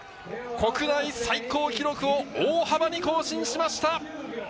国内最高記録を大幅に更新しました！